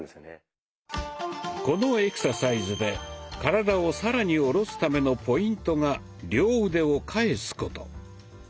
このエクササイズで体を更に下ろすためのポイントが両腕を返すこと。